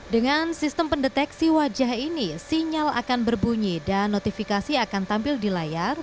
dengan sistem pendeteksi wajah ini sinyal akan berbunyi dan notifikasi akan tampil di layar